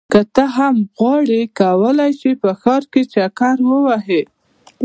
که ته هم غواړې کولی شې په ښار کې چکر ووهې.